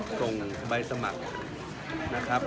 ก็เราต้องส่งใบสมัครนะครับ